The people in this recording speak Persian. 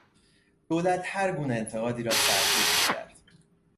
دولت هرگونه انتقادی را سرکوب میکرد.